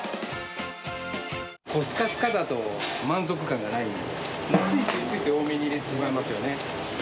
すかすかだと満足感がないので、ついつい多めに入れてしまいますよね。